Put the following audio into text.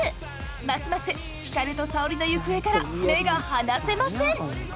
ますます光と沙織の行方から目が離せません！